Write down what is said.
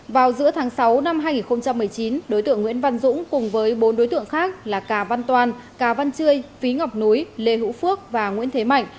vào giữa tháng sáu năm hai nghìn một mươi chín đối tượng nguyễn văn dũng cùng với bốn đối tượng khác là cà văn toàn cà văn chươi phí ngọc núi lê hữu phước và nguyễn thế mạnh